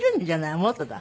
もっとだわ。